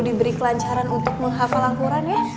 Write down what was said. diberi kelancaran untuk menghafal alquran ya